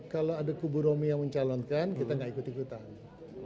kalau ada kubu romi yang mencalonkan kita tidak ikut ikutan